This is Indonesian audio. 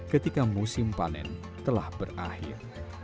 ketika musim panen telah berakhir